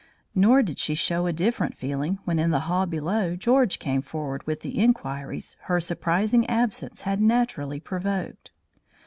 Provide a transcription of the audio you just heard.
Nor did she show a different feeling when in the hall below George came forward with the inquiries her surprising absence had naturally provoked.